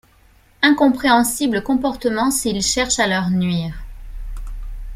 Incompréhensible comportement s'il cherche à leur nuire.